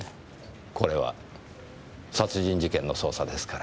これは殺人事件の捜査ですから。